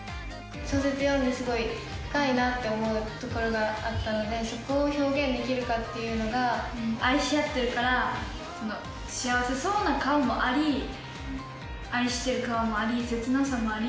小説読んですごい深いなと思うところがあったので、そこを表愛し合ってるから、幸せそうな感もあり、愛してる感もあり、切なさもあり。